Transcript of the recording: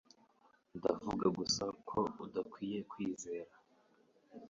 Ndavuga gusa ko udakwiye kwizera